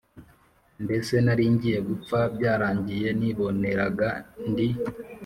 mbese naringiye gupfa byarangiye niboneraga ndi